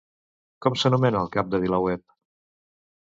Com s'anomena el cap de VilaWeb?